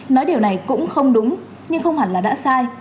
nói điều này cũng không đúng nhưng không hẳn là đã sai